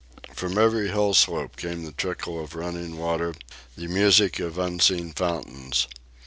From every hill slope came the trickle of running water, the music of unseen fountains.